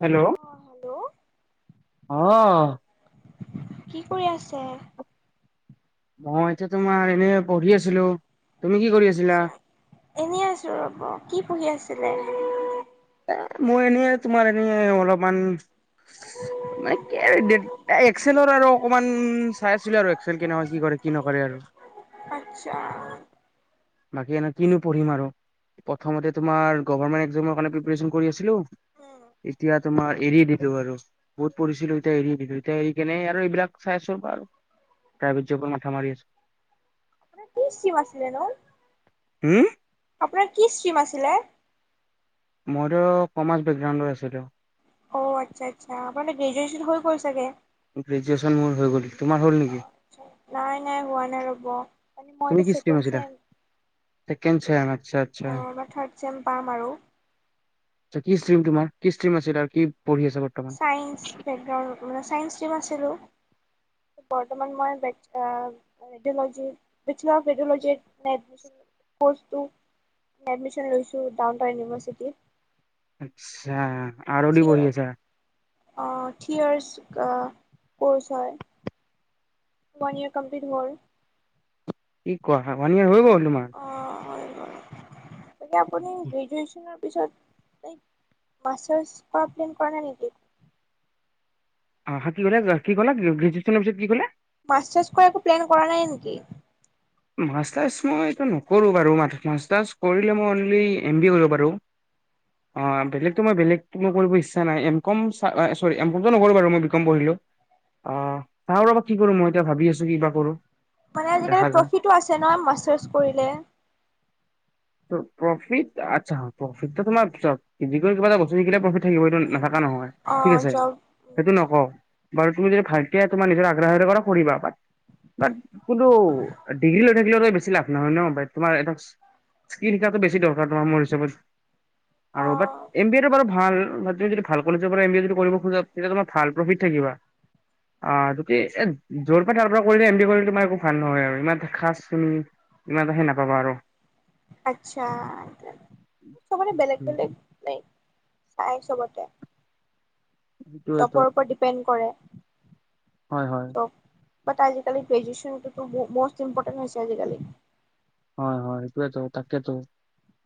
Hello'' অ hello আহ! কি কৰি আছে? মই এতিয়া তোমাৰ এনে পঢ়ি আছিলো। তুমি কি কৰি আছিলা আা এনে আছো ৰব কি পঢ়ি আছিলে? এ মই এনেই তোমাৰ এনে অলপমান মে এক্সেলৰ আৰু অকমান চাই আছিলো আৰু এক্সেল কেনেকুৱা কি কৰে কি নকৰে আৰু আচ্ছা বাকী এনে কিনো পঢ়িম আৰু, প্ৰথমতে তোমাৰ গমেট একৰ কাৰে প্ৰপন কৰি আছিলো। এতিয়া তোমাৰ এৰি আৰু বহুত পছিলো, এতিয়া এৰি এতিয়া এৰি কেনে আৰু এইবিলাক চাই আছো ৰ বা আৰু প্ৰাইভেট জবত মাথা মাৰি আছো। আপোনাৰ ত্ৰিশ জিম আছিলে ন হম! আপোনাৰ কি ষ্টীম আছিলে? মইতো কমাৰ্চ বেকগ্ৰাউণ্ড আছিলো। অ আচ্ছা আচ্ছা আপোনাৰ গ্ৰেজচন হৈ গ'ল চাগে। গ্ৰেজুৱেচন মোৰ হৈ গলি। তোমাৰ হ'ল নেকি? হব। মই তুমি এটিয়া কি ষ্ট্ৰীম চেকেণ্ড আছিলা ছেম। ছেকেণ্ড চেম আচ্ছা আচ্ছা অ', এই বাৰ থাৰ্ড চেম পাম আৰু। ছা কি ষ্ট্ৰীম তোমাৰ, কি ষ্ট্ৰীম আছিল আৰ চাইন্স বেগৰ মানে চাইন্স ষ্টিম আছিলো। বৰ্তমান মই ৰেডিঅ'লজি বেচেলাৰ অফ ৰেডিঅ'লজিত মানে এডমিছন লৈছো, কৰ্চটো এডমিছন লৈছোঁ ডাউন টাউন ইউনিভাৰ্চিটিত। আচ্ছা। আৰ দি থিয় পঢ়ি আছা। অ', থ্ৰী ইয়াৰ্চ ক'ৰ্চ হয়, ওৱান ইয়েৰ কমপ্লিট হ'ল। কি কোৱা ওৱান ইয়াৰ হৈ গল? তোমাৰ। হৈ গ'ল আপুনি গ্ৰেজুৱেচনৰ পিছত তাইক মাষ্টাৰছ কৰা প্লেন কৰা নাই নেকি? অহ কি কলে কি ক'লে গ্ৰেজুৱেশ্যনৰ পিছত কি কলে? মাষ্টাৰছ কৰা একো প্লান কৰা নাই নেকি? মাষ্টাৰ্চ মই এইটো নকৰোঁ বাৰু মাষ্টাৰ্চ কৰিলে মই অনলি এম বি এ কৰিব বাৰু। অ', বেলেগতো মই বেলেগ মু কৰিব ইচ্ছা নাই এক কম চা আ-এ-চৰী এম কমটো নকৰো বাৰু মই বি কম পঢ়িলো, অ', চাওঁ ৰ কি কৰো মই এতি ভাবি আছো কিবা কৰো। মানে দেখা আজিকালি যাক। প্ৰফিট আছে না মাচাছ কৰিলে। প্ৰফিট আচ্ছা প্ৰফিট ত তোমাৰ চ কৰি কিবা এটা বস্তু শিকিলে প্ৰফিট থাকিবতটো নাথকা নহয়, ঠিক অ' আছে? জব সেইটো নক বাৰু তুমি যদি ভালকে তোমাৰ নিজৰ আগ্ৰৰে কৰা কৰিবা বাত, কিন্তু ডিগ্ৰী লৈ থাকিলেও বেছি লাভ নহয় ন তোমাৰ এটো স্কিল শিকাটো বেছি দৰকাৰ তোমাৰ মোৰ হিচাপত। আৰু বাট অ' এম বি এটো বাৰু ভাল। তুমি যদি ভাল কলেজৰ পৰা এম বি এ যদি কৰিব খোজা তেতিয়া তোমাৰ ভাল প্ৰফিট থাকিবা, আহ জতি এ যৰ পৰা তাৰ পৰা কৰিলে এম বি এ কৰিলে তোমাৰ একো ভাল নহয় আৰু ইমান খাচ তুমি ইমান এ নাপাবা আৰু। আচ্ছা চবৰে বেলেগ উম, বেলেগ নাই। চাই চবতে। সেইটোৱেতো টপৰ ওপৰত ডিপেণ্ড কৰে। হয় হয়। চ' বাট আজিকালি গ্ৰেজুয়েচন টো টো মষ্ট ইম্পৰ্টেণ্ট হৈছে আজিকালি। হয় হয় সাইটিয়েটো তাকেতো,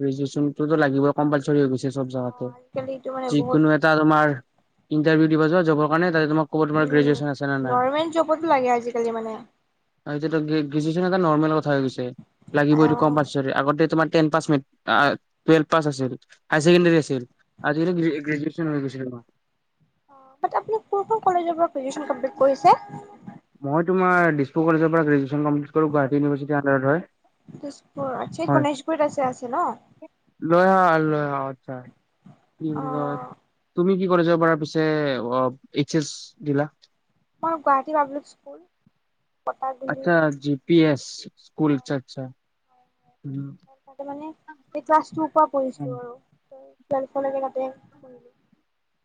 গ্ৰেজুৱেচনটো লাগিব কম্পালচৰি হৈ গৈছে। চব জাগাতে, অ' আজিকালি এইটো মানে যি বহুত কোনো এটা তোমাৰ ইন্টাৰভিঅ দিব যোৱা কাৰণে তোমাক ক'ব তোমাকৰ উম, গ্ৰেজুয়েচন আছে নে নাই? গভৰ্ণমেণ্ট জবতো লাগে আজিকালি মানে আ এতিয়াটো গ্ৰেজুয়ে [unintelligible] নৰ্মেল কথা হে কৈছে। লাগিব এইটো কম অ'। [unintelligible] আগতে তোমাৰ টেন পাছ, আহ টোৱেলভ পাছ আছিল, হাই ছেকেণ্ডাৰী আছিল আজিকালি গ্ৰেজোওৱেন হৈ গৈছে তোমাৰ। বাট আপুনি কোনখন কলেজৰ পৰা গ্ৰেজোৱেচন কোমপ্লিট কৰিছে। মই তোমাৰ দিছপুৰ কলেজৰ পৰা গ্ৰেজোৱেচন কমপ্লিট কৰো গুৱাহাটী ইউনিভাৰ্চিটিৰ আনদাৰত হয়। দিছপুৰ আচ্ছা হয় গণেশ গুৰিত আছে আছে ন। অ' আচ্ছা। কি বুলি কয় অ', তুমি কি? কলেজৰপৰা পিছে এইচ এছ দিলা। মই গুৱাহাটী পাব্লিক স্কুল। পটাগুৰি আচ্ছা জি পি এছ স্কুল আচ্ছা আচ্ছা ত তাতে মানে এই ক্লাছ টুৰ পৰা পঢ়িছিলো আৰু ত টোৱেলফৰ লৈকে তাতে পঢ়িলো।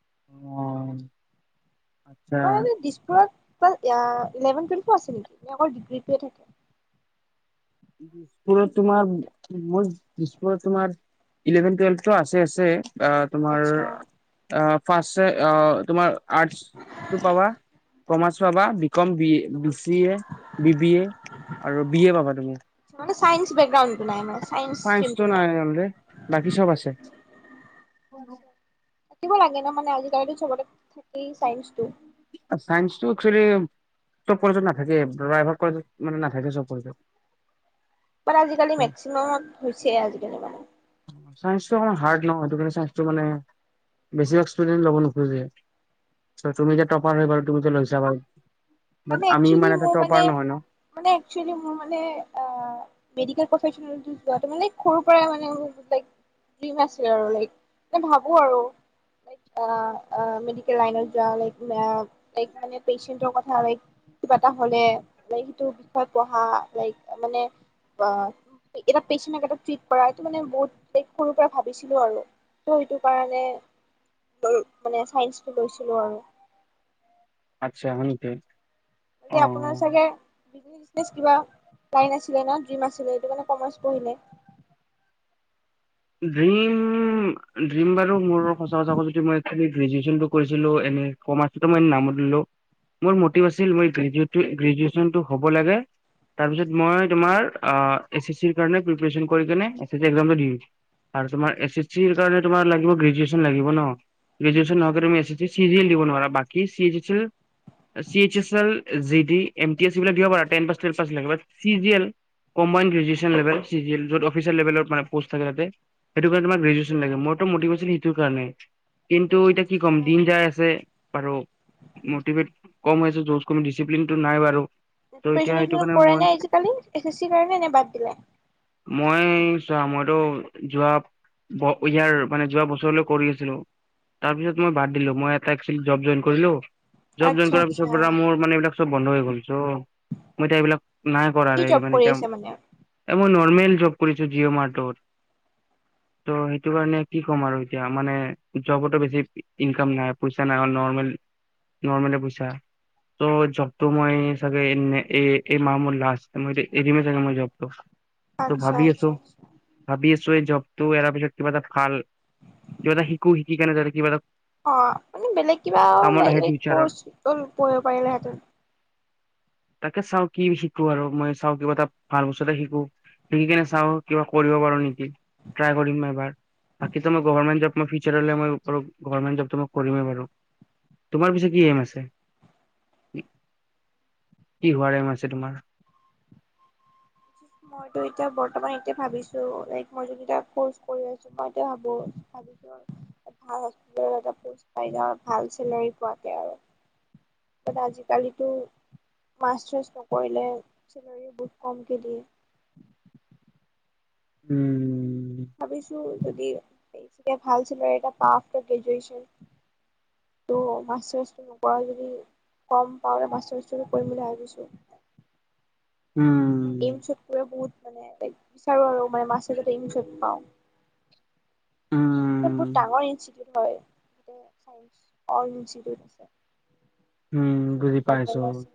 অ। আচ্ছা মই হেনো দিছপুৰত। অকল ইয়া ইলেভেন টুৱেলভো আছে নেকি অকল ডিগ্ৰীটোৱে থাকে। দিছপুৰত তোমাৰ [unintelligible] দিছপুৰত তোমাৰ ইলেভেন টুৱেলভটো আছে আছে। অ' তোমাৰ আচ্ছা অ' ফাৰ্ষ্ট [unintelligible] তোমাৰ আৰ্টচ টো পাবা কমাৰ্চ পাবা। B com B A. B C A, B B A আৰু বি এ পাবা তুমি। মান চাইনচ বেকগ্রাউন্ড। চাইন্চটো নাই অনলি, বাকী চব আছে। আচ্ছা [unintelligible] থাকিব লাগে ন' মানে আজিকালো চবতে, থাকেই চাইন্সটো। চাইন্সটো একচুৱেলি, চব কলেজত নাথাকে প্রায় ভাগ কলেজত মানে নাথাকে। বাট আজিকালি মেক্সিমামত হৈছে আজিকালি মানে। চাইন্সটো অকণ হাৰ্ড নহয় সেইটো কাৰণে চাইন্সটো মানে, বেছিভাগ ষ্টুডেণ্ট ল'ব নোখোজে, তুমি টপাৰ হৈ বাৰু তুমি যে লৈছা বাৰু। বাট মানে আমি ইমান একচুৱেলি এটা মোৰ টপাৰ মানে, নহয় ন মানে একেল মোৰ মানে আহ মেডিকেল প্ৰফেশ্যনটো পোৱা মানে সৰুৰ পৰা লাইক, ড্ৰীম আছিলে আৰু লাইক, মানে ভাবোঁ আৰু, লাইক আহ আহ মেডিকেল লাইনত যোৱা আহ লাইক মানে পেচেন্তৰ কথা লাইক কিবা এটা হ'লে, লাইক সেইটো বিষয়ে পঢ়া লাইক মানে, আহ, এইকেইটা পেচেণ্টক এটা ট্ৰিট কৰা এইটো মানে বহুত সৰুৰ পৰা ভাবিছিলোঁ আৰু, ত' সেইটো কাৰণে, মানে চাইন্সটো লৈছিলোঁ আৰু। আচ্ছা, হয় নেকী? এতিয়া আপোনাৰ চাগে বিজনেচ [unintelligible] কিবা, লাইন আছিলে নে ড্ৰিম আছিলে সেইটো কাৰণে কমাৰ্চ পঢ়িলে। ড্ৰীম ড্ৰীম বাৰু মোৰো সঁচা কথা ক'ব গ'লে কি মই কি আকচুৱেলি গ্ৰেজুৱেচনটো কৰিছিলো এম এ কমাৰ্চ সেইটো মই নামত [unintelligible] মোৰ মটিভ আছিল গ্ৰেজু-গ্ৰেজুৱেচনটো হ'ব লাগে, তাৰপিছত মই তোমাৰ আহ এছ ই ছিৰ কাৰণে প্ৰিপাৰেচন কৰি কিনে এছ ই চি এক্সামটো দি দিম। আৰু তোমাৰ এছ এছ চিৰ কাৰণে তমাৰ গ্ৰেজুৱেচন লাগিব ন গ্ৰেজুৱেচন নোহোৱাকৈ তুমি A S C G L দিব নোৱাৰা বাকী C H G L, C ইউত L, GD, M T S এইবিলাক দিব পাৰা টেন পাছ টোৱেল পাছ লৈকে but C G L combine graduation লেবেল চি জি এল যত অচিয়েল লেভেলে পষ্ট থাকে তাতে সেইটো কাৰণে তোমাৰ গ্ৰেজন লাগে মইতো মতিভেচশ সেইটো কাৰণে কিন তো এতিয়া কি ক'ম দিন যাই আছে বাৰু মটিভেট কম হৈছে জওছ কম ডিচিপ্লিনটো নাই বাৰু ত' এতিয়া সেইটো কাৰণে [unintelligible] কৰে মই নে আজিকালি এছ এছ চিৰ কাৰণে এনে বাদ দিলে মই চোৱা মইতো যোৱা ইয়াৰ মানে যোৱা বছৰলৈ কৰি আছিলো তাৰ পিছত মই বাদ দিলো মই এটা একেছোৱেলি জব জইন কৰিলো জব জইন আচ্ছা কৰাৰ পিছৰ আচ্ছা পৰা মোৰ মানে এইবিলাক চব বন্ধ হৈ গ'ল চ মই এতিয়া এইবিলাক নাই কৰা কি ৰে জব মানে কৰি এতিয়াই আছে মানে? এ মই নোৱা ফৰ্মেল জব কৰিছো জিঅ' মাৰ্টত ত' সেইটো কাৰণে কি ক'ম আৰু এতিয়া মানে জবতো বেছি ইনকাম নাই পইচা নাই নৰ্মেল নৰ্মলে পইচা ত' জবটো মই চাগে এ এই মাহ মোৰ লাষ্ট মই এতিয়া এৰিমেই চাগে মই জবটো তো আচ্ছা ভাবি আছো আচ্ছা আচ্ছা, ভাবি আছ এই জবো এৰাৰ পিছত কিবা এটা ভাল কিবা এটা শিকো শিকিনে যাতে কিবা এটা অ মানে বেলেগ কামত আহে এনেই ফিউচাৰত কৌচ পঢ়িব পাৰিলে হেঁতেন তাকে চাও কি শিকো আৰু মই চাওঁ কিবা এটা ভাল বস্তু এটা শিকো শিকি কিনে চাওঁ কিবা কৰিব পাৰো নেকি ট্ৰাই কৰিম ন' এবাৰ বাকীটো মই গভাৰমেণ্ট জব মই ফিউচাৰলৈ মই [unintelligible] গভাৰ্মেণ্ট জবটো মই কৰিমেই বাৰু তোমাৰ পিছে কি এম আছে [inaudible] কি হোৱা এম আছে তোমাৰ? মইতো এতিয়া বৰ্তমান এতিয়া ভাবিছো লাইক মই যদি এটা কৰ্চ কৰি আছো মই এতিয়া ভাবো ভাবিছো আৰু এ ভাল হস্পিতেল এটা পোষ্ট পাই যাওঁ ভাল চেলাৰী পোৱাকে আৰু। [unintelligible] আজিকালিতো মাষ্টাৰছ নকৰিলে চেলাৰিও বহুত কমকে দিয়ে। উম, ভাবিছো যদি [unintelligible] এয়া ভাল চেলাৰী এটা পাও আকৌ গ্ৰেজুৱেচন ত' মাষ্টাৰ্ছটো নকৰাও যদি কম পাওঁতে মাষ্টাৰ্ছ টো কৰিম বুলি ভাবিছোঁ। উম, এয় বহুত মানে টিছআৰৰ আৰু মানে মাছ মাষ্টাৰ্ছ যত পাওঁ অসেইখন বহুত উম ডাঙৰ ইনষ্টিউট হয় ত' চাইন্সয় ইনষ্টিউটচ আছে। উম চব বুজি পাইছো ডিপাৰ্টমেণ্ট আছে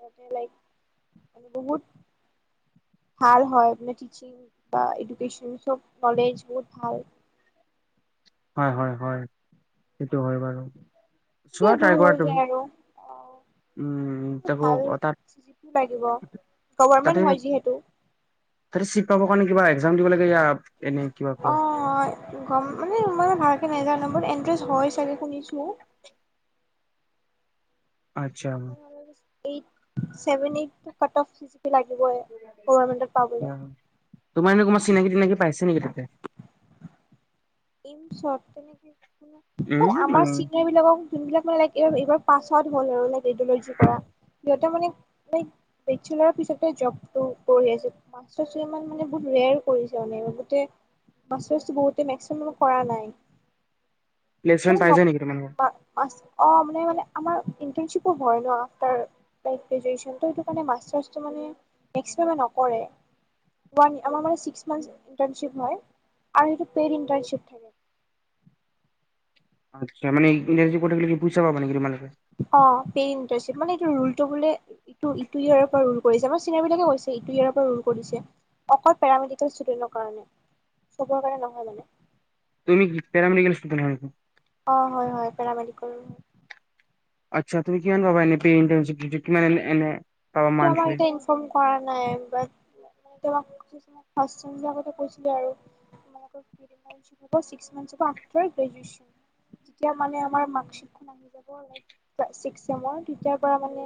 আৰুতে লাইক আৰু বহুত ভাল হয় মানে টিচিং বা এডুকচন চব নলেজ বহুত ভাল। হয়-হয়-হয় [unintelligible] দূৰ হৈ তুমি যায় আৰু অহ, উম এ তাকো ভাল তাত চিটো লাগিব তাতে গভৰমেন্ট হয় যিহেতু। তাতে চিট পাব কাৰণে কিবা এক্সাম দিব লাগে ইয়া অ, গম মা এই মানে ভালকে নেজানো বাট এণ্ট্ৰেন্স হয় চাগে শুনিছো। আচ্ছা হ'ব। এইট ছেভেন এইটো কাট অফ লাগিবই গভৰ্মেণ্টত পাবলে অ তোমাৰ এনে কমমান চিনাকি-তিনাকি পাইছে নেকি তাতে। ইম শ্বপ মানে কি? উম আমাৰ মানে চিনিয়াৰ বিলাকক যোনবিলাক মানে ল এইবাৰ প ত হ'ল আৰু ন [unintelligible] ল যি কৰা। ইটো মানে বেতছেলাৰৰ পিছতে যব টো কৰি আছোঁ। চ চ মান মানে বহুৱাই এ কৰিছো গোটেই মেছেজ বহুতে মেছেজ। কৰা নাই। প্লেছমেণ্ট পাইচে নেকি তোমালোকৰ। অঁ মানে মানে আমাৰ ইণ্টাৰ্ণশ্বিপো হয় ন, আফটাৰ গ্ৰেজুৱেশ্যন তো সেইটো কাৰণে মাষ্টাৰ্চটো মানে এক্সেমে নকৰে ওৱান আমাৰ মানে ছিক্স মানথ ইণ্টাৰ্ণশ্বিপ হয় আৰু সেইটো পেড প্ৰচ থাকে। আচ্ছা, মানে এণ্টাৰচিপত থাকিলে পইচা পাবা নেকি তোমালোকে। অ পে এণ্টাৰ চিপ মানে এই টো ৰুল মানে আমাৰ ছিনিয়ৰ বিলাকে কৈছে এইটো ইয়াৰ ৰ পৰা ৰুল কৰিছে অকল পেৰামেডিকেলে ষ্টোদেনৰ কাৰনে চব ৰ কাৰনে নহয় মানে। তুমি পেৰাামেডিকেল ষ্টুডেন। অঁ হয়-হয় পেৰামেডিকেলৰ হয়। আচ্ছা, তুমি কিমান পাবা এনে প্ৰে ইণ্টাৰচিপতএনে-এনে, সেইটো আমাক এয়া ইনফৰ্ম কৰা নাই। তাক ফাৰ্ষ্ট চেমবিলাকতে কৈছিলে আৰু তোমোক হ'ব ছিক্স মান্থ হ'ব আফটাৰ গ্ৰেজুৱেশ্যন তেতিয়া মানে আমাৰ মাৰ্কশ্বিটখন আহি যাব লাইক ক্লা ছিক্স চেমৰ তেতিয়াৰ পৰা মানে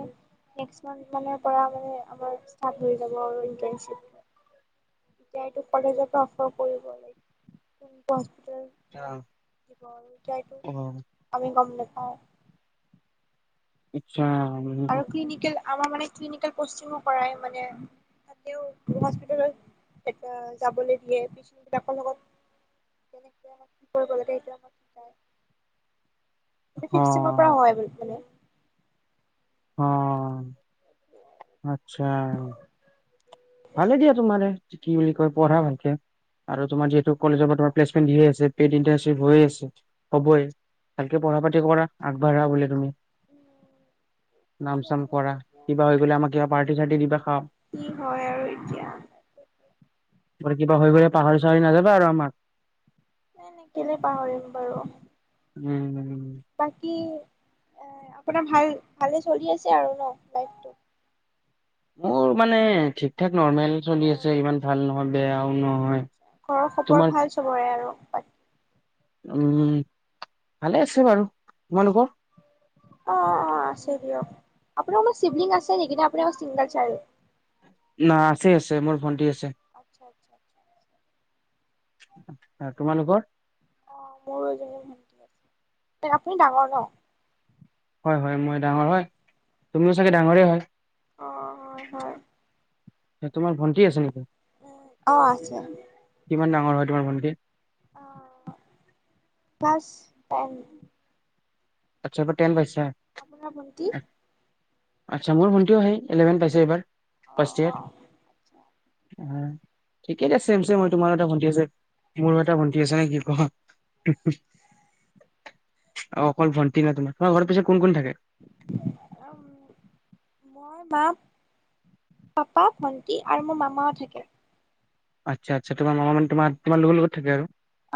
নেক্সট মান্থ মানে পৰা মানে আমাৰ ষ্টাৰ্ট হৈ যাব। আৰু ইণ্টাৰচিপ এই কলেজ অফাৰ কৰি লব লাগিব ম দিব আৰুতিাইটো অ' আমি গম নাপাওঁ [unintelligible] আচ্ছা, আচ্চা, উম-উম। আৰু ক্লিনিকেল আমাৰ মানে ক্লিনিকেল পেষ্টিঙো কৰাই মানে তাতেও হস্পিটেল যাবলৈ দিয়ে পেচণ্টবিলাকৰ লগত কেনেক আম কি কৰিব লাগে সেই শিকাই। ফিভ চেমৰ পৰা অ' হয় মানে। অ' আচ্ছা। ভালে দিয়া তুমাৰে কি বুলি কয় পঢ়া ভালকে আৰু তোমাৰ যিহেতু কলেজৰ পৰাম্লেন্টে দিইয়ে আছে, প্ৰেদ ইণ্টাৰেষ্ট হৈ এ আছে হবই ভালকে পঢ়া পাতি কৰা আগবাঢ়া বুলে তুমি। কৰি নাম চাম আছো আৰু কৰা এতিয়া কিবা হৈ গলে আমাক কিবা পাৰ্টি-চাৰ্টি দিবা খাম। কি হয় আৰু এতিয়া ত কিবা হৈ গ পাহৰি চাহৰি নাযাবা আৰু। আমাক। এ নে কেলে পাহৰিম বাৰু। উম, বাকী অহ আপোনাৰ ভাল ভালে চলি আছে আৰু ন লাইফটো? মোৰ মানে ঠিক ঠাক। নৰ্মেল চলি আৰু আছে ইমান ভাল নহয়। বেয়াও ন ঘৰৰ খবৰ ভাল চবৰে আৰু? বাকী উম ভালে আছে বাৰু তোমালোকৰ? অ অ আছে দিয়ক আপোনাৰ কোনোবা চিভলিং আছে নেকি নে আপোনাৰ অকল চিংগল চাইল্ড না আছে আছে মোৰ ভণ্টি আছে। আচ্ছা আচ্ছা। আচ্ছা আচ্ছা। তোমালোকৰ অ মোৰো এজনী ভণ্টি আছে আপুনি ডাঙৰ ন হয়, হয় মই ডাঙৰ হয় তুমিও চাগে ডাঙৰে হয়। অঁ হয় হয়। তোমাৰ ভণ্টি আছে নেকি? অ আছে কিমান ডাঙৰ হয় তোমাৰ ভণ্টি। Class ten. আচ্ছা টেন পাইছে। আপোনাৰ ভণ্টি? আচ্ছা, মোৰ ভণ্টিও সেই ইলেভেন পাইছে এইবাৰ। অ ফাচট ইয়েৰৰ অ আচ্ছা। থিক আছে পিছে হয় তোমাৰো এটা ভণ্টি আছে মোৰো এটা ভণ্টি আছে নে কি ক াকচ [unintelligible] অঁ ক ভন্টি ন তমাৰম ঘৰ পিত কোন কোন থাকে? মই মা পাপা ভণ্টি আৰু মোৰ মামাও থাকে। আচ্ছা আচছা তোমাৰ মামা মান তোম তোম লগত থাকে আৰু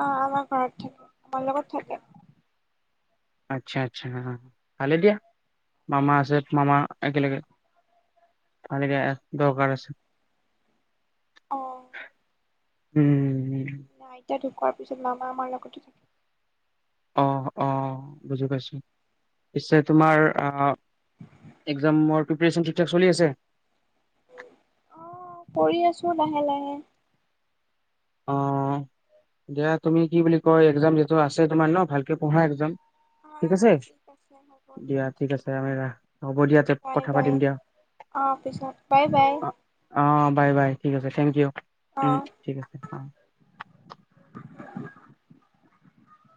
অঁ আমাৰ ঘৰত থাকে আমাৰ লগত থাকে। আচ্ছা আচ্ছা ভালে দিয়া মামা আছে মামা একেলগে ভালে দিয় দৰকাৰ আছে। অহ। উম উম উম। নাই। এতিয়া ঢুকোৱাৰ পিছত মামা আমাৰ লগতে থাকে। অঁ অঁ বুজি পাইছোঁ, পিছে তোমাৰ একজামৰ প্ৰিপেৰেচন ঠিকঠাক চলি আছে? অঁহ পঢ়ি আছো লাহে লাহে। অ দিয়া তুমি কি বুলি কয় একজাম যিহেতু আছে তোমাৰ ন ভালকে পঢ়া একজাম। অ ঠিক আছে? আছে হ'ব দিয়া দিয়ক ঠিক আছে আ ৰা হ'ব দিয়া বাই কথা বাই পাতিম দিয়া, অ পিছত বাই বাই অ অ বাই বাই ঠিক আছে থেংক ইউ অ উম্ ঠিক আছে।